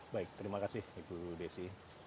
baik terima kasih ibu desi